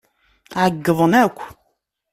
Ɛeyyḍen akk.